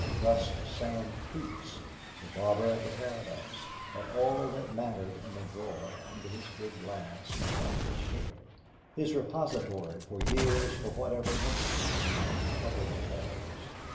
Thus Sam Peets, the barber at the Paradise, had all that mattered in the drawer under his big glass in front of his chair, his repository for years for whatever interested him in public affairs.